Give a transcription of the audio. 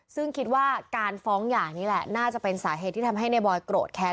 ซึ่งคิดว่าการฟ้องหย่านี่แหละน่าจะเป็นสาเหตุที่ทำให้ในบอยโกรธแค้น